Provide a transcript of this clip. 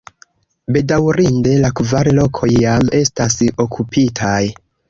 Bedaŭrinde la kvar lokoj jam estas okupitaj.